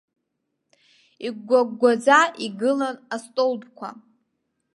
Игәгәагәгәаӡа игылан астолбқәа.